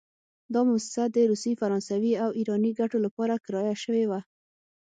دا موسسه د روسي، فرانسوي او ایراني ګټو لپاره کرایه شوې وه.